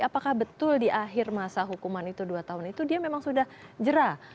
apakah betul di akhir masa hukuman itu dua tahun itu dia memang sudah jerah